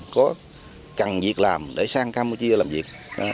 có cần việc làm để sang campuchia làm việc